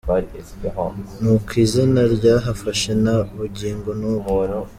Nuko izina ryahafashe na bugingo n’ubu.